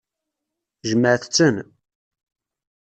Jemɛet-ten.